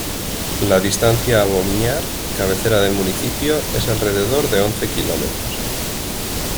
La distancia a Boñar, cabecera del municipio es alrededor de once kilómetros.